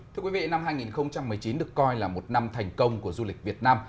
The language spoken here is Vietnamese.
thưa quý vị năm hai nghìn một mươi chín được coi là một năm thành công của du lịch việt nam